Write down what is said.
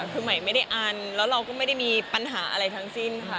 คือใหม่ไม่ได้อันแล้วเราก็ไม่ได้มีปัญหาอะไรทั้งสิ้นค่ะ